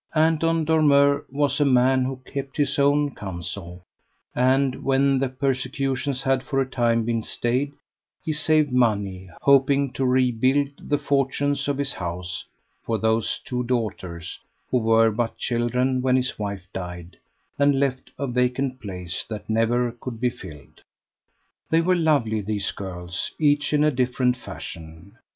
Anton Dormeur was a man who kept his own counsel, and, when the persecutions had for a time been stayed, he saved money, hoping to rebuild the fortunes of his house for those two daughters, who were but children when his wife died and left a vacant place that never could be filled. They were lovely these girls each in a different fashion.